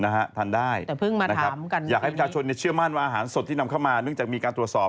นะฮะทานได้อย่าเพิ่งมานะครับอยากให้ประชาชนเนี่ยเชื่อมั่นว่าอาหารสดที่นำเข้ามาเนื่องจากมีการตรวจสอบ